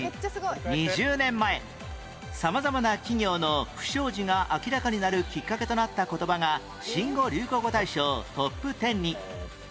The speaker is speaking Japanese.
２０年前様々な企業の不祥事が明らかになるきっかけとなった言葉が新語・流行語大賞トップテンに